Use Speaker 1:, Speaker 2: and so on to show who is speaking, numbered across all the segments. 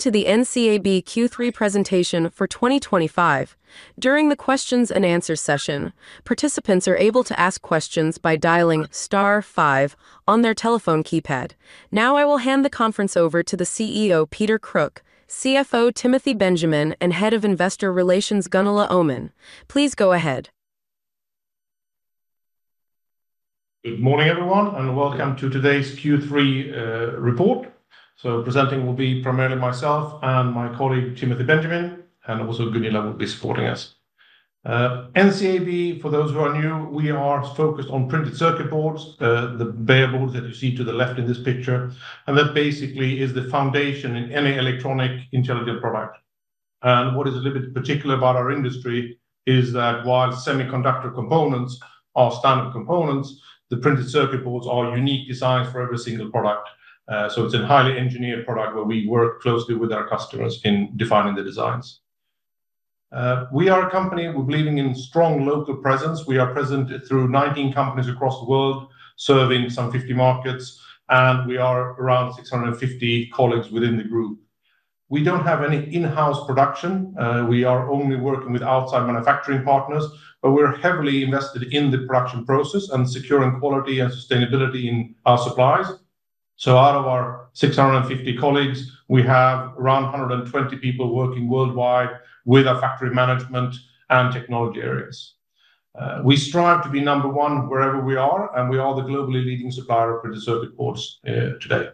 Speaker 1: To the NCAB Q3 presentation for 2025. During the questions and answers session, participants are able to ask questions by dialing star five on their telephone keypad. Now, I will hand the conference over to the CEO, Peter Kruk, CFO, Timothy Benjamin, and Head of Investor Relations, Gunilla Öhman. Please go ahead.
Speaker 2: Good morning, everyone, and welcome to today's Q3 report. Presenting will be primarily myself and my colleague, Timothy Benjamin, and also Gunilla will be supporting us. NCAB, for those who are new, we are focused on printed circuit boards, the bare boards that you see to the left in this picture, and that basically is the foundation in any electronic intelligent product. What is a little bit particular about our industry is that while semiconductor components are standard components, the printed circuit boards are unique designs for every single product. It is a highly engineered product where we work closely with our customers in defining the designs. We are a company believing in strong local presence. We are present through 19 companies across the world, serving some 50 markets, and we are around 650 colleagues within the group. We don't have any in-house production. We are only working with outside manufacturing partners, but we're heavily invested in the production process and securing quality and sustainability in our supplies. Out of our 650 colleagues, we have around 120 people working worldwide with our factory management and technology areas. We strive to be number one wherever we are, and we are the globally leading supplier of printed circuit boards today.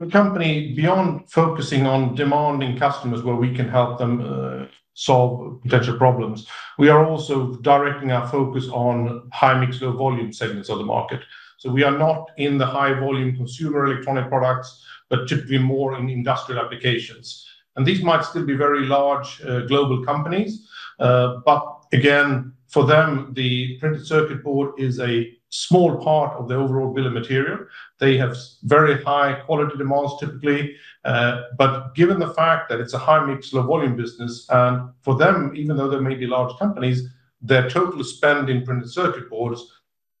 Speaker 2: The company, beyond focusing on demanding customers where we can help them solve potential problems, is also directing our focus on high-mix, low-volume segments of the market. We are not in the high-volume consumer electronic products, but typically more in industrial applications. These might still be very large global companies, but again, for them, the printed circuit board is a small part of the overall bill of material. They have very high quality demands typically, but given the fact that it's a high-mix, low-volume business, and for them, even though they may be large companies, their total spend in printed circuit boards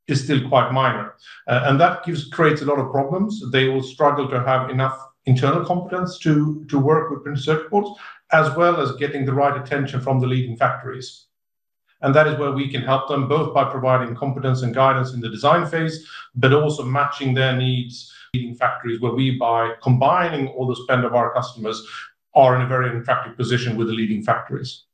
Speaker 2: is still quite minor. That creates a lot of problems. They will struggle to have enough internal competence to work with printed circuit boards, as well as getting the right attention from the leading factories. That is where we can help them, both by providing competence and guidance in the design phase, but also matching their needs. Leading factories where we buy, combining all the spend of our customers, are in a very attractive position with the leading factories.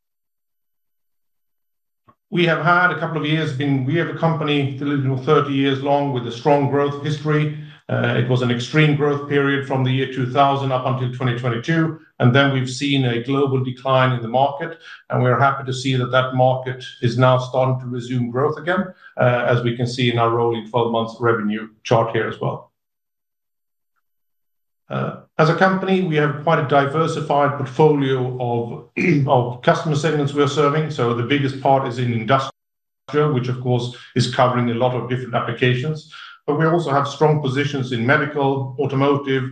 Speaker 2: We have had a couple of years. We have a company that is 30 years long with a strong growth history. It was an extreme growth period from the year 2000 up until 2022, and then we've seen a global decline in the market, and we are happy to see that that market is now starting to resume growth again, as we can see in our rolling 12-month revenue chart here as well. As a company, we have quite a diversified portfolio of customer segments we are serving. The biggest part is in industrial, which of course is covering a lot of different applications, but we also have strong positions in medical, automotive,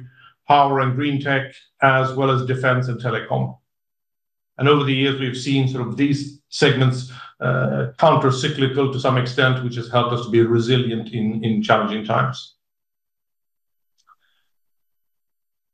Speaker 2: power, and green tech, as well as defense and telecom. Over the years, we've seen these segments countercyclical to some extent, which has helped us to be resilient in challenging times.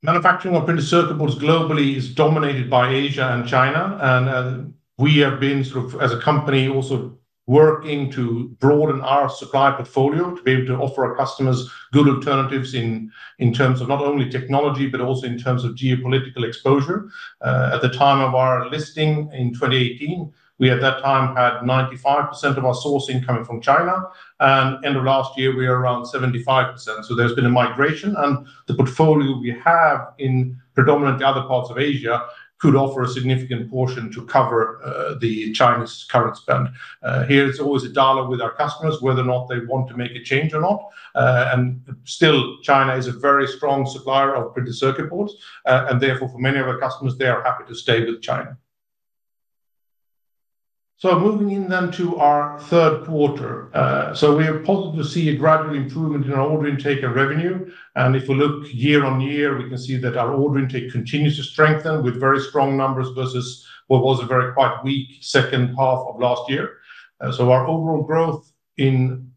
Speaker 2: Manufacturing of printed circuit boards globally is dominated by Asia and China, and we have been, as a company, also working to broaden our supply portfolio to be able to offer our customers good alternatives in terms of not only technology, but also in terms of geopolitical exposure. At the time of our listing in 2018, we at that time had 95% of our sourcing coming from China, and end of last year, we are around 75%. There has been a migration, and the portfolio we have in predominantly other parts of Asia could offer a significant portion to cover the Chinese current spend. Here, it's always a dialogue with our customers whether or not they want to make a change or not, and still, China is a very strong supplier of printed circuit boards, and therefore, for many of our customers, they are happy to stay with China. Moving in then to our third quarter, we are positive to see a gradual improvement in our order intake and revenue, and if we look year on year, we can see that our order intake continues to strengthen with very strong numbers versus what was a quite weak second half of last year. Our overall growth in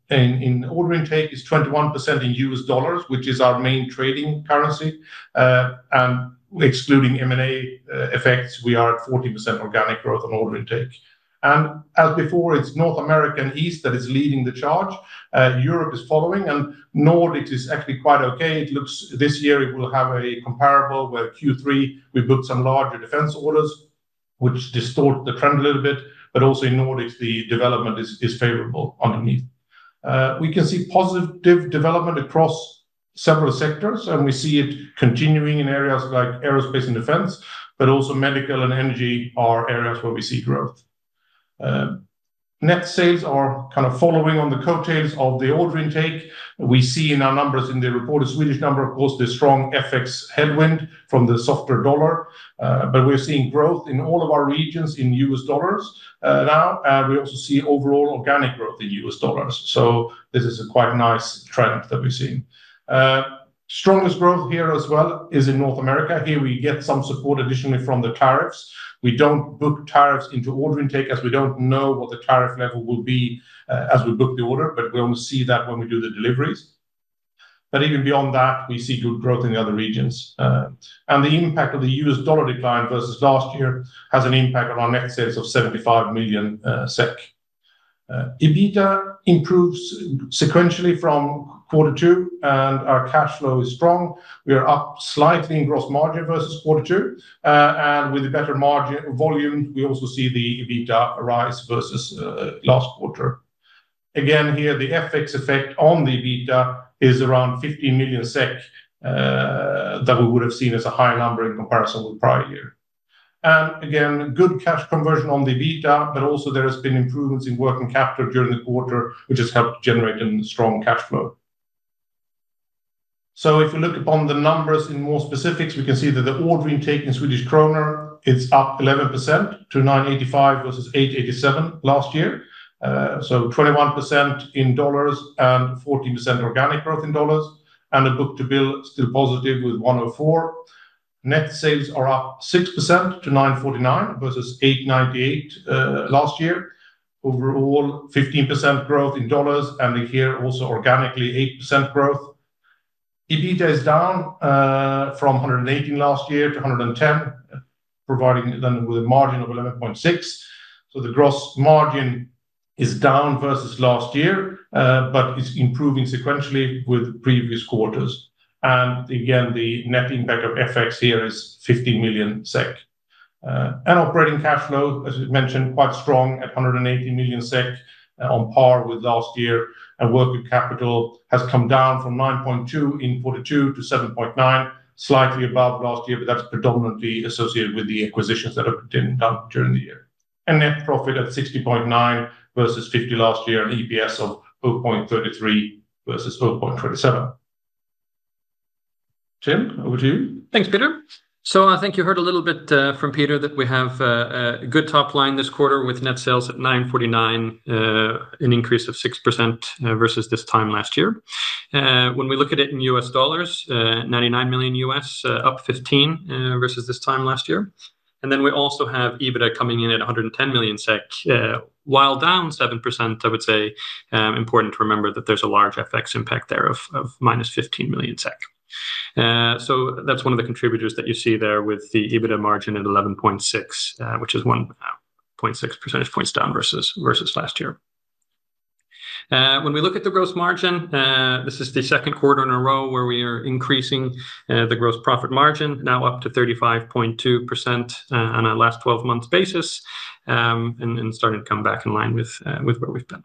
Speaker 2: order intake is 21% in US dollars, which is our main trading currency, and excluding M&A effects, we are at 40% organic growth on order intake. As before, it's North America and East that is leading the charge. Europe is following, and Nordic is actually quite okay. It looks this year it will have a comparable where Q3 we booked some larger defense orders, which distort the trend a little bit, but also in Nordic, the development is favorable underneath. We can see positive development across several sectors, and we see it continuing in areas like aerospace and defense, but also medical and energy are areas where we see growth. Net sales are kind of following on the coattails of the order intake. We see in our numbers in the report a Swedish number, of course, the strong FX headwind from the softer dollar, but we're seeing growth in all of our regions in U.S. dollars now, and we also see overall organic growth in U.S. dollars. This is a quite nice trend that we're seeing. Strongest growth here as well is in North America. Here, we get some support additionally from the tariffs. We don't book tariffs into order intake as we don't know what the tariff level will be as we book the order, we only see that when we do the deliveries. Even beyond that, we see good growth in the other regions. The impact of the U.S. dollar decline versus last year has an impact on our net sales of 75 million SEK. EBITDA improves sequentially from quarter two, and our cash flow is strong. We are up slightly in gross margin versus quarter two, and with a better margin volume, we also see the EBITDA rise versus last quarter. Again, here, the FX effect on the EBITDA is around 15 million SEK that we would have seen as a high number in comparison with prior year. Again, good cash conversion on the EBITDA, but also there has been improvements in working capital during the quarter, which has helped generate a strong cash flow. If we look upon the numbers in more specifics, we can see that the order intake in Swedish kronor, it's up 11% to 985 million versus 887 million last year. 21% in dollars and 14% organic growth in dollars, and a book-to-bill still positive with 104. Net sales are up 6% to 949 million versus 898 million last year. Overall, 15% growth in dollars, and here also organically 8% growth. EBITDA is down from 118 million last year to 110 million, providing them with a margin of 11.6%. The gross margin is down versus last year, but it's improving sequentially with previous quarters. The net impact of FX here is 15 million SEK. Operating cash flow, as we mentioned, quite strong at 180 million SEK on par with last year, and working capital has come down from 9.2 in quarter two to 7.9, slightly above last year, but that's predominantly associated with the acquisitions that have been done during the year. Net profit at 60.9 million versus 50 million last year, and EPS of 0.33 versus 0.27. Tim, over to you.
Speaker 3: Thanks, Peter. I think you heard a little bit from Peter that we have a good top line this quarter with net sales at 949 million, an increase of 6% versus this time last year. When we look at it in U.S. dollars, $99 million, up 15% versus this time last year. We also have EBITDA coming in at 110 million SEK. While down 7%, I would say it is important to remember that there's a large FX impact there of minus 15 million SEK. That's one of the contributors that you see there with the EBITDA margin at 11.6%, which is 1.6 percentage points down versus last year. When we look at the gross margin, this is the second quarter in a row where we are increasing the gross profit margin, now up to 35.2% on a last 12 months basis, and starting to come back in line with where we've been.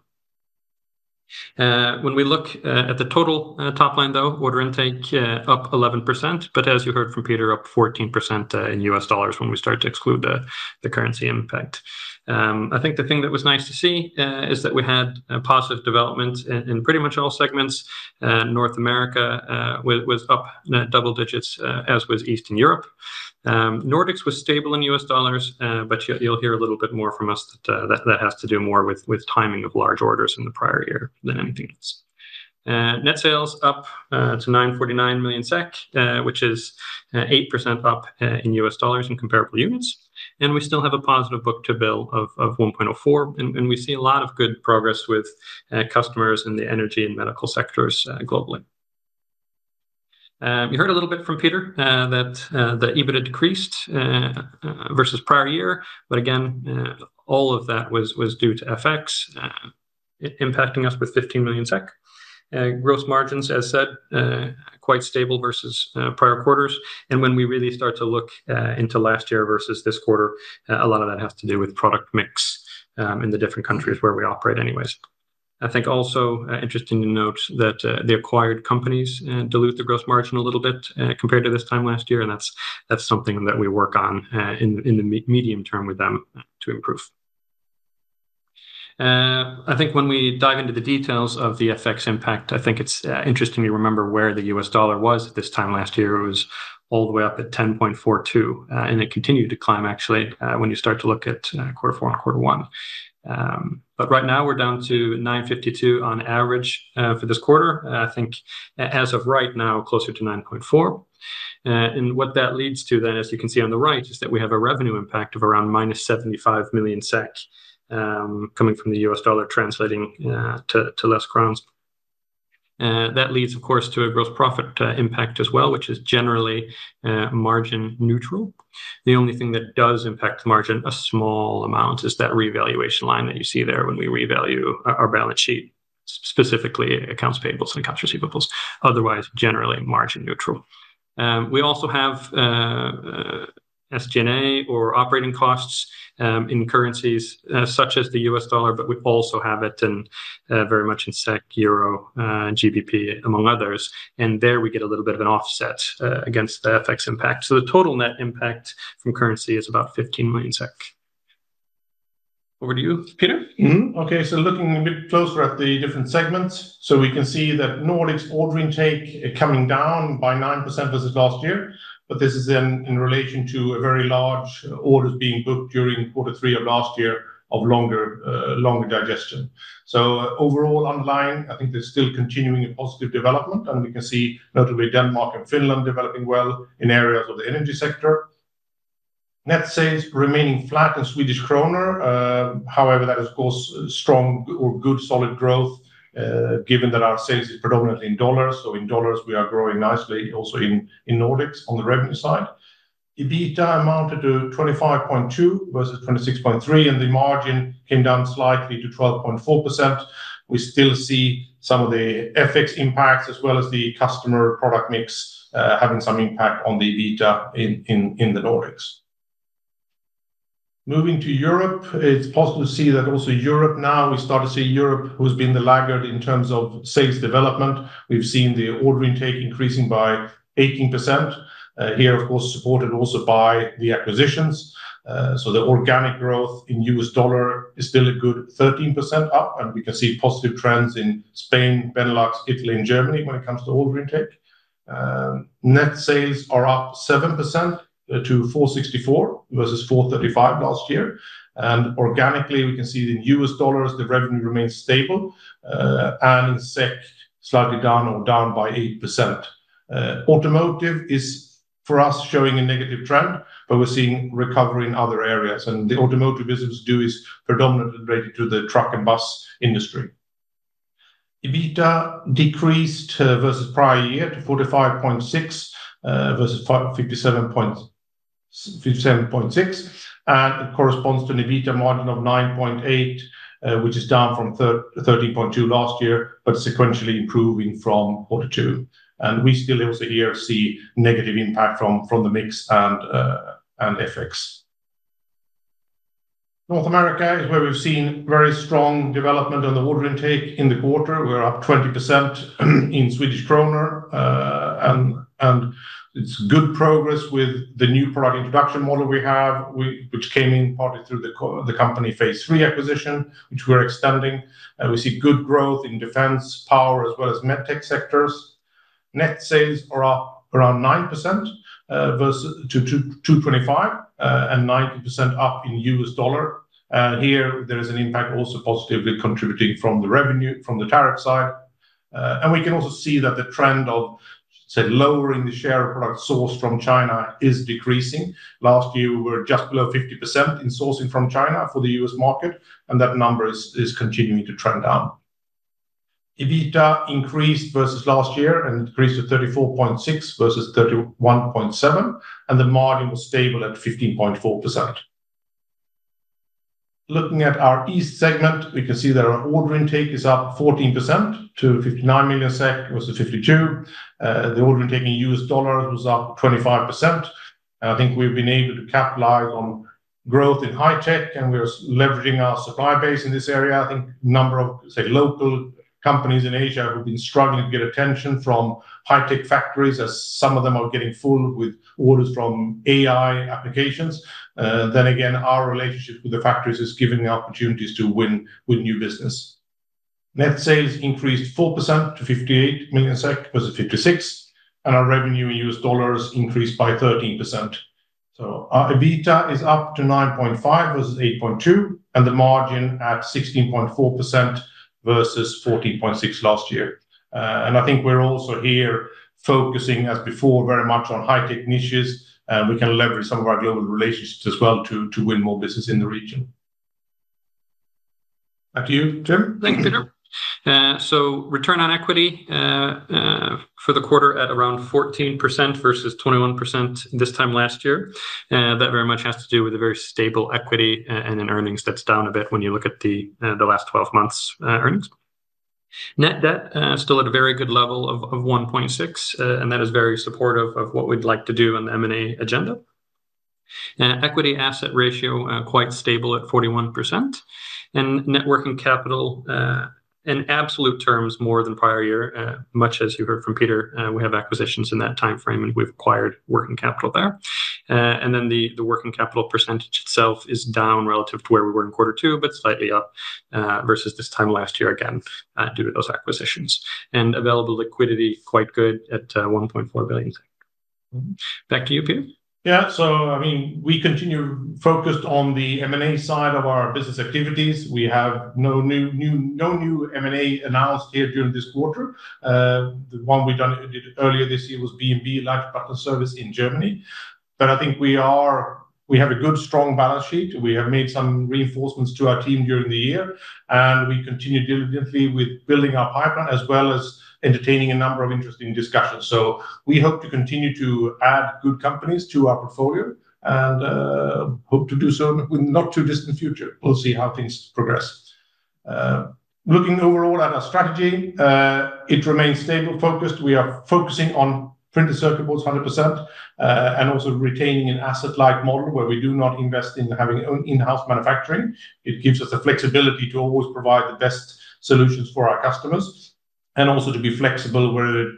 Speaker 3: When we look at the total top line, order intake is up 11%, but as you heard from Peter, up 14% in U.S. dollars when we start to exclude the currency impact. I think the thing that was nice to see is that we had positive development in pretty much all segments. North America was up double digits, as was Eastern Europe. Nordics was stable in U.S. dollars, but you'll hear a little bit more from us that that has to do more with timing of large orders in the prior year than anything else. Net sales up to 949 million SEK, which is 8% up in U.S. dollars in comparable units. We still have a positive book-to-bill of 1.04, and we see a lot of good progress with customers in the energy and medical sectors globally. You heard a little bit from Peter that the EBITDA decreased versus prior year, but again, all of that was due to FX impacting us with 15 million SEK. Gross margins, as said, are quite stable versus prior quarters. When we really start to look into last year versus this quarter, a lot of that has to do with product mix in the different countries where we operate anyways. I think also interesting to note that the acquired companies dilute the gross margin a little bit compared to this time last year, and that's something that we work on in the medium term with them to improve. When we dive into the details of the FX impact, I think it's interesting to remember where the U.S. dollar was at this time last year. It was all the way up at 10.42, and it continued to climb actually when you start to look at quarter four and quarter one. Right now, we're down to 9.52 on average for this quarter. I think as of right now, closer to 9.4. What that leads to then, as you can see on the right, is that we have a revenue impact of around -75 million SEK coming from the U.S. dollar translating to less crowns. That leads, of course, to a gross profit impact as well, which is generally margin neutral. The only thing that does impact the margin a small amount is that revaluation line that you see there when we revalue our balance sheet, specifically accounts payables and accounts receivables. Otherwise, generally margin neutral. We also have SG&A or operating costs in currencies such as the U.S. dollar, but we also have it very much in SEK, Euro, and GBP among others. There we get a little bit of an offset against the FX impact. The total net impact from currency is about 15 million SEK. Over to you, Peter.
Speaker 2: Okay, so looking a bit closer at the different segments, we can see that Nordics' order intake is coming down by 9% versus last year, but this is in relation to a very large order being booked during quarter three of last year of longer digestion. Overall underlying, I think there's still continuing a positive development, and we can see notably Denmark and Finland developing well in areas of the energy sector. Net sales remaining flat in Swedish kronor. However, that is of course strong or good solid growth given that our sales are predominantly in dollars. In dollars, we are growing nicely also in Nordics on the revenue side. EBITDA amounted to 25.2 million versus 26.3 million, and the margin came down slightly to 12.4%. We still see some of the FX impacts as well as the customer product mix having some impact on the EBITDA in the Nordics. Moving to Europe, it's possible to see that also Europe now, we start to see Europe who's been the laggard in terms of sales development. We've seen the order intake increasing by 18%. Here, of course, supported also by the acquisitions. The organic growth in U.S. dollar is still a good 13% up, and we can see positive trends in Spain, Benelux, Italy, and Germany when it comes to order intake. Net sales are up 7% to 464 million versus 435 million last year. Organically, we can see in U.S. dollars, the revenue remains stable, and in SEK slightly down or down by 8%. Automotive is for us showing a negative trend, but we're seeing recovery in other areas, and the automotive business is predominantly related to the truck and bus industry. EBITDA decreased versus prior year to 45.6 million versus 57.6 million, and it corresponds to an EBITDA margin of 9.8%, which is down from 13.2% last year, but sequentially improving from quarter two. We still, it was a year to see negative impact from the mix and FX. North America is where we've seen very strong development on the order intake in the quarter. We're up 20% in Swedish kronor, and it's good progress with the new product introduction model we have, which came in partly through the company phase three acquisition, which we're extending. We see good growth in defense, power, as well as medtech sectors. Net sales are up around 9% to 225 million, and 90% up in U.S. dollar. Here, there is an impact also positively contributing from the revenue from the tariff side. We can also see that the trend of, say, lowering the share of products sourced from China is decreasing. Last year, we were just below 50% in sourcing from China for the U.S. market, and that number is continuing to trend down. EBITDA increased versus last year, and it increased to 34.6 million versus 31.7 million, and the margin was stable at 15.4%. Looking at our East segment, we can see that our order intake is up 14% to 59 million SEK versus 52 million. The order intake in U.S. dollars was up 25%. I think we've been able to capitalize on growth in high tech, and we're leveraging our supply base in this area. I think a number of, say, local companies in Asia who've been struggling to get attention from high tech factories, as some of them are getting full with orders from AI applications. Our relationship with the factories is giving opportunities to win new business. Net sales increased 4% to 58 million SEK versus 56 million, and our revenue in U.S. dollars increased by 13%. Our EBITDA is up to 9.5 million versus 8.2 million, and the margin at 16.4% versus 14.6% last year. I think we're also here focusing, as before, very much on high tech niches, and we can leverage some of our global relationships as well to win more business in the region. Back to you, Tim.
Speaker 3: Thanks, Peter. Return on equity for the quarter at around 14% versus 21% this time last year. That very much has to do with a very stable equity and an earnings that's down a bit when you look at the last 12 months' earnings. Net debt still at a very good level of 1.6, and that is very supportive of what we'd like to do on the M&A agenda. Equity asset ratio quite stable at 41%, and net working capital in absolute terms more than prior year, much as you heard from Peter, we have acquisitions in that timeframe and we've acquired working capital there. The working capital percentage itself is down relative to where we were in quarter two, but slightly up versus this time last year again due to those acquisitions. Available liquidity quite good at 1.4 billion. Back to you, Peter.
Speaker 2: Yeah, so I mean, we continue focused on the M&A side of our business activities. We have no new M&A announced here during this quarter. The one we did earlier this year was B&B Leiterplattenservice GmbH in Germany. I think we have a good strong balance sheet. We have made some reinforcements to our team during the year, and we continue diligently with building our pipeline as well as entertaining a number of interesting discussions. We hope to continue to add good companies to our portfolio and hope to do so in the not-too-distant future. We'll see how things progress. Looking overall at our strategy, it remains stable focused. We are focusing on printed circuit boards 100% and also retaining an asset-light model where we do not invest in having own in-house manufacturing. It gives us the flexibility to always provide the best solutions for our customers and also to be flexible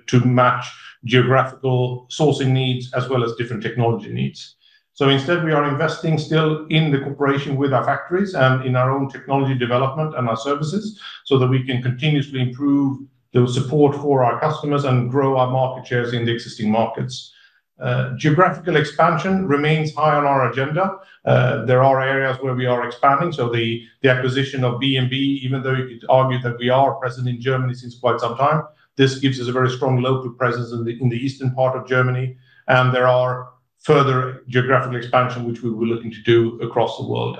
Speaker 2: to match geographical sourcing needs as well as different technology needs. Instead, we are investing still in the cooperation with our factories and in our own technology development and our services so that we can continuously improve the support for our customers and grow our market shares in the existing markets. Geographical expansion remains high on our agenda. There are areas where we are expanding. The acquisition of B&B Leiterplattenservice GmbH, even though you could argue that we are present in Germany since quite some time, gives us a very strong local presence in the eastern part of Germany. There are further geographical expansion which we were looking to do across the world.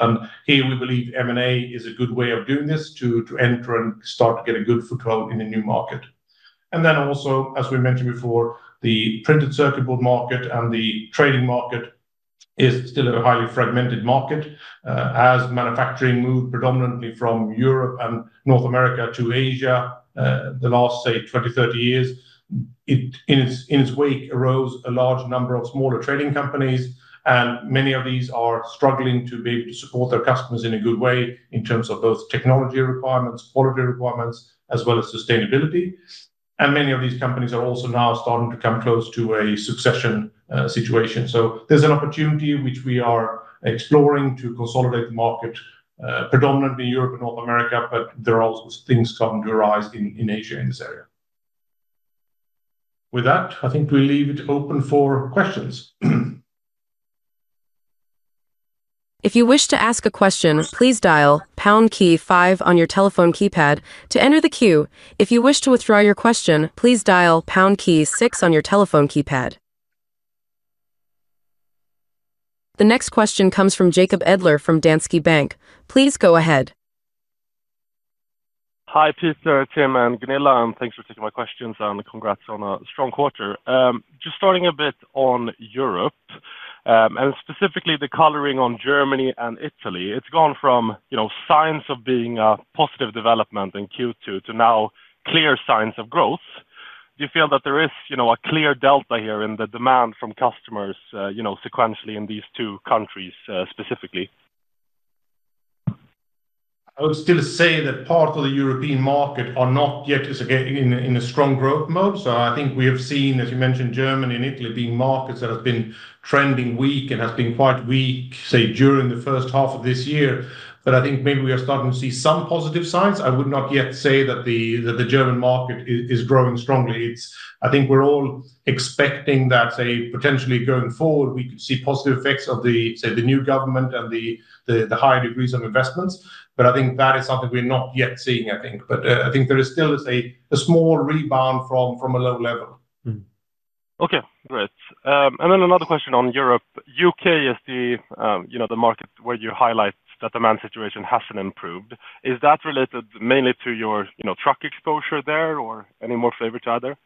Speaker 2: Here we believe M&A is a good way of doing this to enter and start to get a good foothold in a new market. Also, as we mentioned before, the printed circuit board market and the trading market is still a highly fragmented market. As manufacturing moved predominantly from Europe and North America to Asia the last, say, 20-30 years, in its wake arose a large number of smaller trading companies. Many of these are struggling to be able to support their customers in a good way in terms of both technology requirements, quality requirements, as well as sustainability. Many of these companies are also now starting to come close to a succession situation. There is an opportunity which we are exploring to consolidate the market predominantly in Europe and North America, but there are also things starting to arise in Asia in this area. With that, I think we leave it open for questions.
Speaker 1: If you wish to ask a question, please dial pound key five on your telephone keypad to enter the queue. If you wish to withdraw your question, please dial pound key six on your telephone keypad. The next question comes from Jacob Edler from Danske Bank. Please go ahead.
Speaker 4: Hi, Peter, Tim, and Gunilla, and thanks for taking my questions and congrats on a strong quarter. Just starting a bit on Europe and specifically the coloring on Germany and Italy, it's gone from signs of being a positive development in Q2 to now clear signs of growth. Do you feel that there is a clear delta here in the demand from customers sequentially in these two countries specifically?
Speaker 2: I would still say that part of the European market is not yet in a strong growth mode. I think we have seen, as you mentioned, Germany and Italy being markets that have been trending weak and have been quite weak, say, during the first half of this year. I think maybe we are starting to see some positive signs. I would not yet say that the German market is growing strongly. I think we're all expecting that, say, potentially going forward, we could see positive effects of the new government and the higher degrees of investments. I think that is something we're not yet seeing. I think there is still a small rebound from a low level.
Speaker 4: Okay, great. Another question on Europe. U.K. is the market where you highlight that the demand situation hasn't improved. Is that related mainly to your truck exposure there or any more favor to either?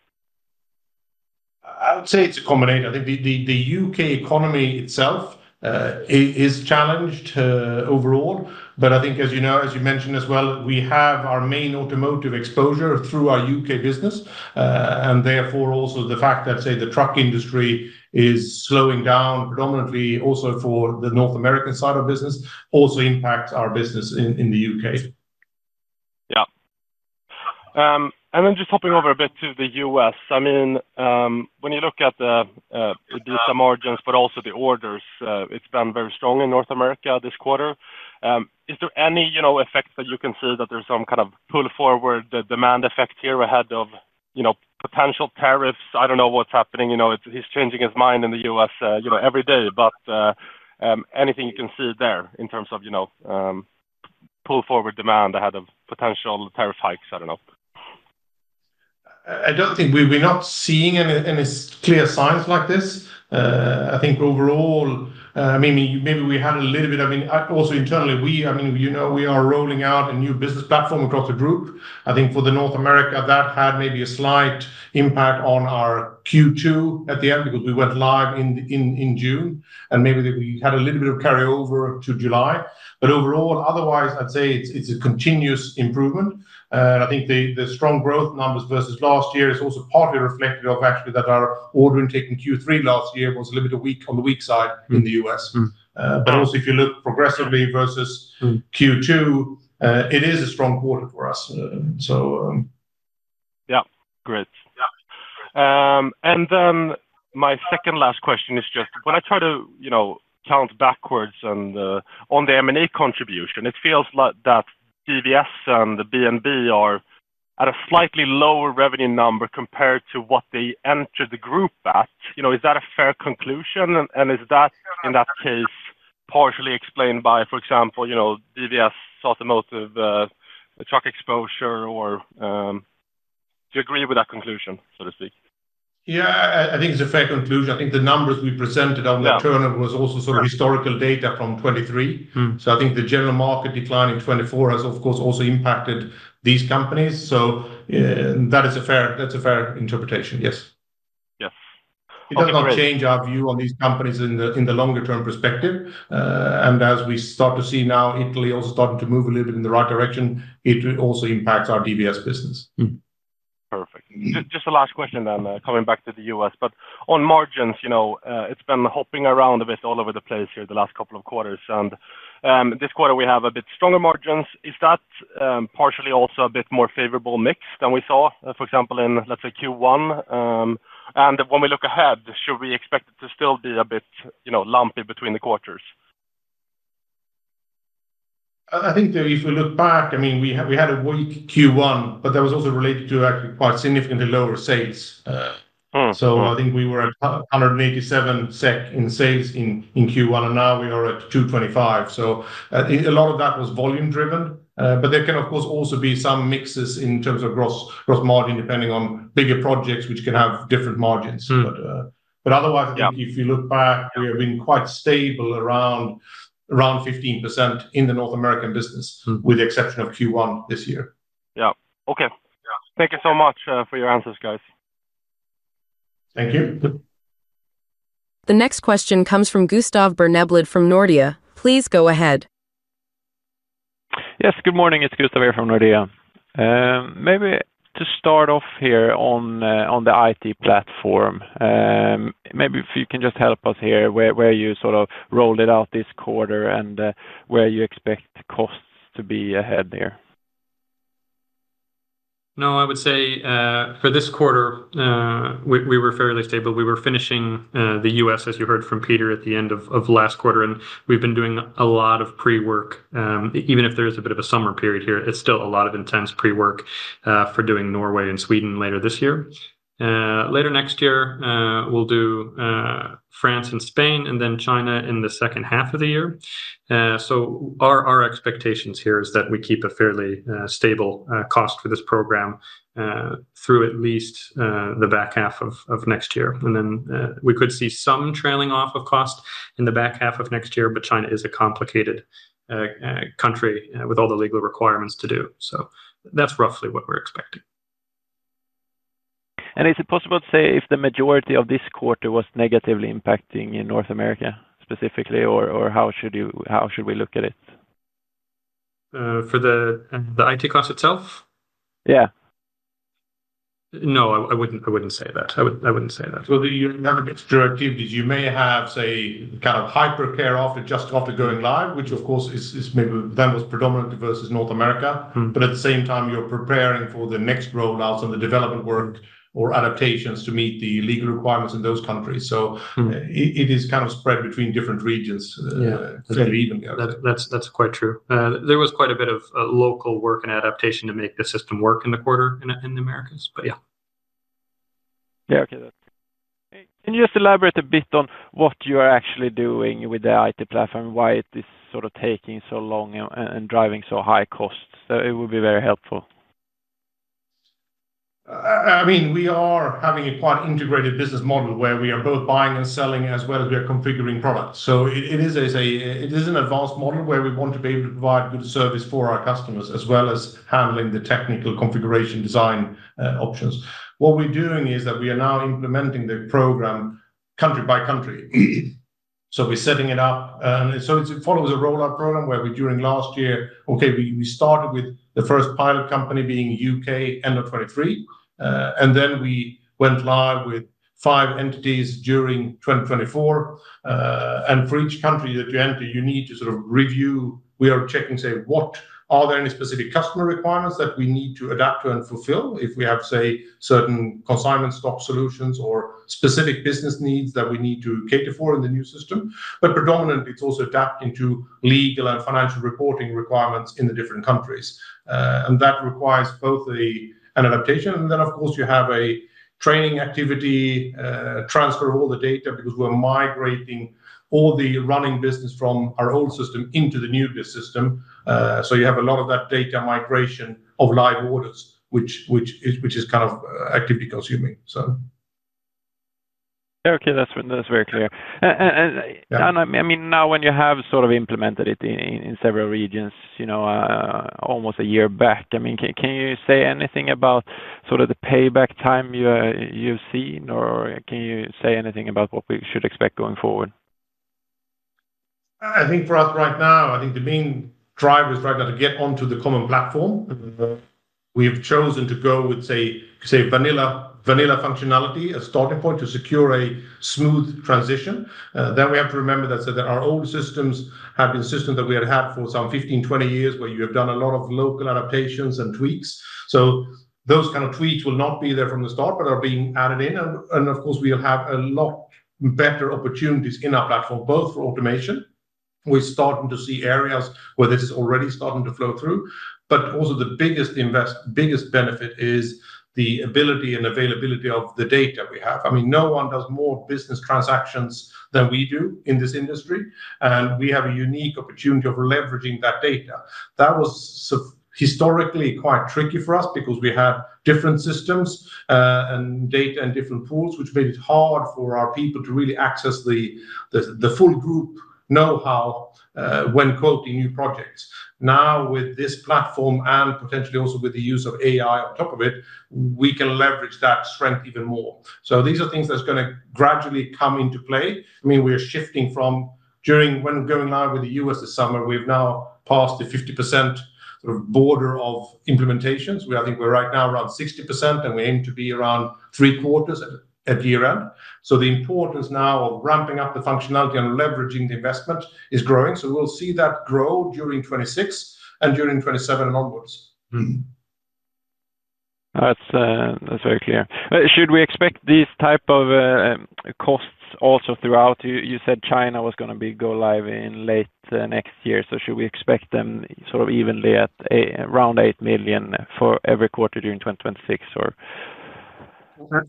Speaker 2: I would say it's a combination. I think the U.K. economy itself is challenged overall. I think, as you mentioned as well, we have our main automotive exposure through our U.K. business. Therefore, also the fact that, say, the truck industry is slowing down predominantly also for the North American side of business also impacts our business in the U.K.
Speaker 4: Yeah. Then just hopping over a bit to the U.S. I mean, when you look at the EBITDA margins, but also the orders, it's been very strong in North America this quarter. Is there any effect that you can see that there's some kind of pull forward demand effect here ahead of potential tariffs? I don't know what's happening. He's changing his mind in the U.S. every day. Anything you can see there in terms of pull forward demand ahead of potential tariff hikes? I don't know.
Speaker 2: I don't think we're not seeing any clear signs like this. I think overall, I mean, maybe we had a little bit. I mean, also internally, we, I mean, you know, we are rolling out a new business platform across the group. I think for North America, that had maybe a slight impact on our Q2 at the end because we went live in June. Maybe we had a little bit of carryover to July. Overall, I'd say it's a continuous improvement. I think the strong growth numbers versus last year are also partly reflective of the fact that our order intake in Q3 last year was a little bit on the weak side in the U.S. If you look progressively versus Q2, it is a strong quarter for us.
Speaker 4: Yeah, great. My second last question is just when I try to count backwards on the M&A contribution, it feels like DVS and B&B Leiterplattenservice GmbH are at a slightly lower revenue number compared to what they entered the group at. Is that a fair conclusion? Is that, in that case, partially explained by, for example, DVS automotive truck exposure? Do you agree with that conclusion, so to speak?
Speaker 2: Yeah, I think it's a fair conclusion. I think the numbers we presented on the turnover were also sort of historical data from 2023. I think the general market decline in 2024 has, of course, also impacted these companies. That is a fair interpretation. Yes. It does not change our view on these companies in the longer-term perspective. As we start to see now, Italy also starting to move a little bit in the right direction, it also impacts our DVS business.
Speaker 4: Perfect. Just the last question then, coming back to the U.S. On margins, you know, it's been hopping around a bit all over the place here the last couple of quarters. This quarter, we have a bit stronger margins. Is that partially also a bit more favorable mix than we saw, for example, in, let's say, Q1? When we look ahead, should we expect it to still be a bit lumpy between the quarters?
Speaker 2: I think if we look back, we had a weak Q1, but that was also related to actually quite significantly lower sales. I think we were at 187 million SEK in sales in Q1, and now we are at 225 million. A lot of that was volume driven. There can, of course, also be some mixes in terms of gross margin depending on bigger projects which can have different margins. Otherwise, I think if you look back, we have been quite stable around 15% in the North American business with the exception of Q1 this year.
Speaker 4: Yeah. Okay. Thank you so much for your answers, guys.
Speaker 2: Thank you.
Speaker 1: The next question comes from Gustav Berneblad from Nordea. Please go ahead.
Speaker 5: Yes, good morning. It's Gustav here from Nordea. Maybe to start off here on the IT platform, maybe if you can just help us here where you sort of rolled it out this quarter and where you expect costs to be ahead here.
Speaker 3: No, I would say for this quarter, we were fairly stable. We were finishing the U.S., as you heard from Peter, at the end of last quarter. We've been doing a lot of pre-work. Even if there is a bit of a summer period here, it's still a lot of intense pre-work for doing Norway and Sweden later this year. Next year, we'll do France and Spain and then China in the second half of the year. Our expectations here are that we keep a fairly stable cost for this program through at least the back half of next year. We could see some trailing off of cost in the back half of next year, but China is a complicated country with all the legal requirements to do. That's roughly what we're expecting.
Speaker 5: Is it possible to say if the majority of this quarter was negatively impacting in North America specifically, or how should we look at it?
Speaker 3: For the IT cost itself?
Speaker 5: Yeah.
Speaker 3: No, I wouldn't say that. I wouldn't say that.
Speaker 2: You're never getting too directive. You may have, say, kind of hypercare just after going live, which of course maybe then was predominant versus North America. At the same time, you're preparing for the next rollouts and the development work or adaptations to meet the legal requirements in those countries. It is kind of spread between different regions that you even go.
Speaker 3: That's quite true. There was quite a bit of local work and adaptation to make the system work in the quarter in the Americas. Yeah.
Speaker 5: Okay. Can you just elaborate a bit on what you are actually doing with the IT platform and why it is sort of taking so long and driving so high costs? It would be very helpful.
Speaker 2: I mean, we are having a quite integrated business model where we are both buying and selling as well as we are configuring products. It is an advanced model where we want to be able to provide good service for our customers as well as handling the technical configuration design options. What we're doing is that we are now implementing the program country by country. We're setting it up. It follows a rollout program where during last year, we started with the first pilot company being U.K. end of 2023. We went live with five entities during 2024. For each country that you enter, you need to sort of review. We are checking, say, what are there any specific customer requirements that we need to adapt to and fulfill if we have, say, certain consignment stock solutions or specific business needs that we need to cater for in the new system. Predominantly, it's also adapting to legal and financial reporting requirements in the different countries. That requires both an adaptation and then, of course, you have a training activity, transfer of all the data because we're migrating all the running business from our old system into the new business system. You have a lot of that data migration of live orders, which is kind of actively consuming.
Speaker 5: Okay, that's very clear. Now, when you have sort of implemented it in several regions, you know, almost a year back, can you say anything about sort of the payback time you've seen or can you say anything about what we should expect going forward?
Speaker 2: I think for us right now, the main driver is right now to get onto the common platform. We have chosen to go with, say, vanilla functionality as a starting point to secure a smooth transition. We have to remember that our old systems have been systems that we had had for some 15, 20 years where you have done a lot of local adaptations and tweaks. Those kind of tweaks will not be there from the start, but are being added in. Of course, we'll have a lot better opportunities in our platform, both for automation. We're starting to see areas where this is already starting to flow through. The biggest benefit is the ability and availability of the data we have. I mean, no one does more business transactions than we do in this industry. We have a unique opportunity of leveraging that data. That was historically quite tricky for us because we had different systems and data in different pools, which made it hard for our people to really access the full group know-how when quoting new projects. Now, with this platform and potentially also with the use of AI on top of it, we can leverage that strength even more. These are things that are going to gradually come into play. I mean, we are shifting from during when going live with the U.S. this summer, we've now passed a 50% sort of border of implementations. I think we're right now around 60% and we aim to be around three quarters at year end. The importance now of ramping up the functionality and leveraging the investment is growing. We'll see that grow during 2026 and during 2027 and onwards.
Speaker 5: That's very clear. Should we expect these types of costs also throughout? You said China was going to go live in late next year. Should we expect them sort of evenly at around 8 million for every quarter during 2026?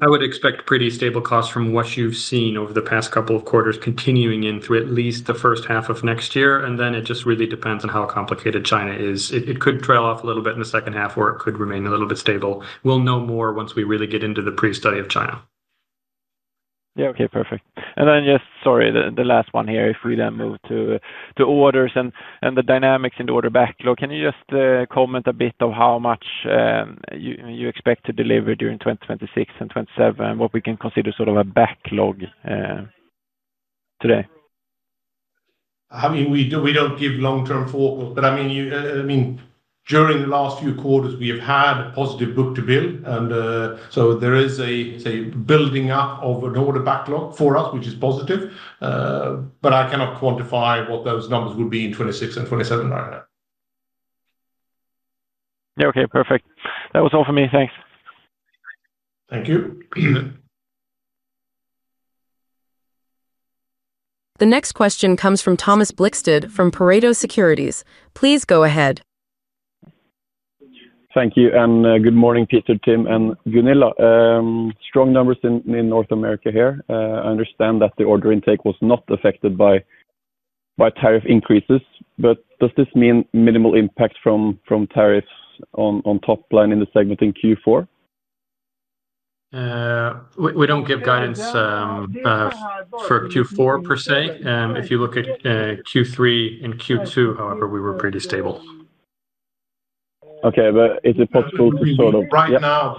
Speaker 3: I would expect pretty stable costs from what you've seen over the past couple of quarters continuing in through at least the first half of next year. It just really depends on how complicated China is. It could trail off a little bit in the second half or it could remain a little bit stable. We'll know more once we really get into the pre-study of China.
Speaker 5: Okay, perfect. Sorry, the last one here, if we then move to orders and the dynamics in the order backlog, can you just comment a bit of how much you expect to deliver during 2026 and 2027 and what we can consider sort of a backlog today?
Speaker 2: I mean, we don't give long-term forward guidance, but during the last few quarters, we have had a positive book-to-bill, so there is a building up of an order backlog for us, which is positive. I cannot quantify what those numbers would be in 2026 and 2027 right now.
Speaker 5: Okay, perfect. That was all for me. Thanks.
Speaker 2: Thank you.
Speaker 1: The next question comes from Thomas Blikstad from Pareto Securities. Please go ahead.
Speaker 6: Thank you. Good morning, Peter, Tim, and Gunilla. Strong numbers in North America here. I understand that the order intake was not affected by tariff increases. Does this mean minimal impact from tariffs on top line in the segment in Q4?
Speaker 3: We don't give guidance for Q4 per se. If you look at Q3 and Q2, however, we were pretty stable.
Speaker 6: Okay, is it possible to sort of...
Speaker 2: Right now,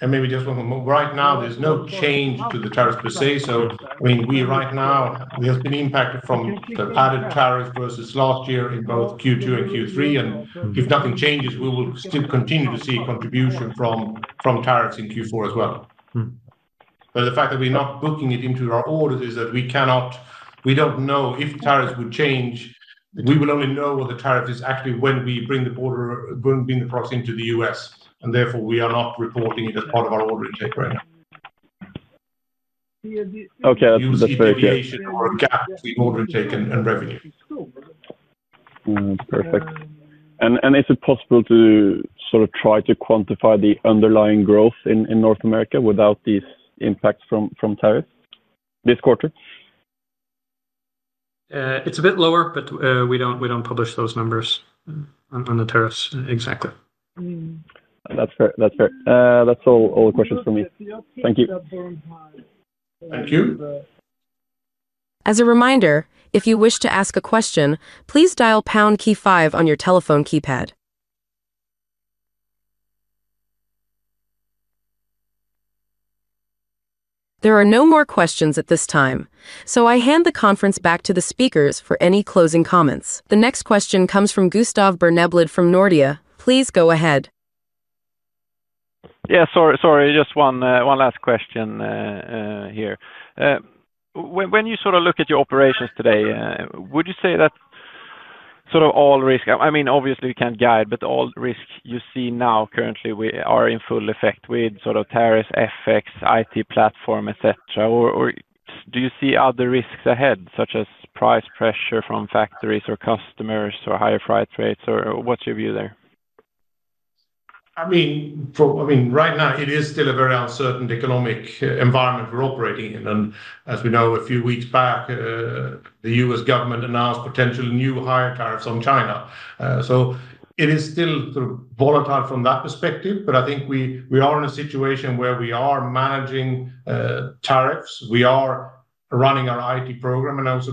Speaker 2: and maybe just one more moment, right now there's no change to the tariffs per se. I mean, we right now, we have been impacted from the added tariffs versus last year in both Q2 and Q3. If nothing changes, we will still continue to see contribution from tariffs in Q4 as well. The fact that we're not booking it into our orders is that we cannot, we don't know if the tariffs would change. We will only know what the tariff is actually when we bring the product into the U.S., and therefore, we are not reporting it as part of our order intake right now.
Speaker 6: Okay, that's very clear
Speaker 2: is a gap between order intake and revenue.
Speaker 6: Is it possible to sort of try to quantify the underlying growth in North America without these impacts from tariffs this quarter?
Speaker 3: It's a bit lower, but we don't publish those numbers on the tariffs exactly.
Speaker 6: That's fair. That's fair. That's all the questions for me. Thank you.
Speaker 2: Thank you.
Speaker 1: As a reminder, if you wish to ask a question, please dial pound key five on your telephone keypad. There are no more questions at this time. I hand the conference back to the speakers for any closing comments. The next question comes from Gustav Berneblad from Nordea. Please go ahead.
Speaker 5: Sorry, just one last question here. When you sort of look at your operations today, would you say that sort of all risk, I mean, obviously we can't guide, but all risk you see now currently are in full effect with sort of tariffs, FX, IT platform, etc.? Or do you see other risks ahead, such as price pressure from factories or customers or higher freight rates? What's your view there?
Speaker 2: Right now it is still a very uncertain economic environment we're operating in. As we know, a few weeks back, the U.S. government announced potential new higher tariffs on China. It is still sort of volatile from that perspective, but I think we are in a situation where we are managing tariffs. We are running our IT program, and also,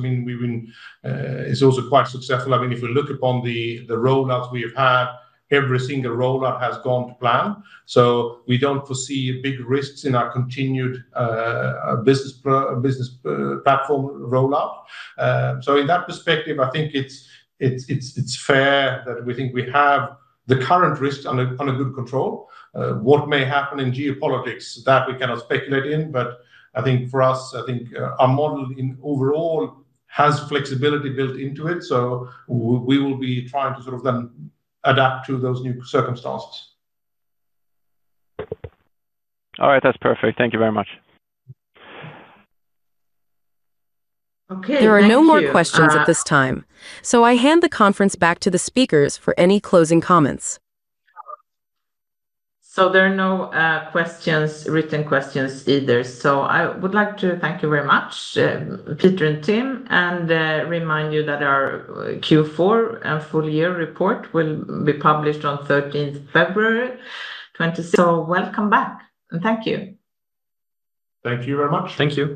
Speaker 2: it's also quite successful. If we look upon the rollouts we have had, every single rollout has gone to plan. We don't foresee big risks in our continued business platform rollout. In that perspective, I think it's fair that we think we have the current risks under good control. What may happen in geopolitics, that we cannot speculate in. For us, I think our model overall has flexibility built into it. We will be trying to sort of then adapt to those new circumstances.
Speaker 5: All right, that's perfect. Thank you very much.
Speaker 1: There are no more questions at this time. I hand the conference back to the speakers for any closing comments.
Speaker 7: There are no questions, written questions either. I would like to thank you very much, Peter and Tim, and remind you that our Q4 and full year report will be published on February 13th, 2026. Welcome back and thank you.
Speaker 2: Thank you very much.
Speaker 7: Thank you.